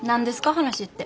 話って。